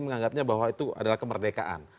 menganggapnya bahwa itu adalah kemerdekaan